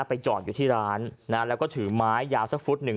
จอดอยู่ที่ร้านนะแล้วก็ถือไม้ยาวสักฟุตหนึ่ง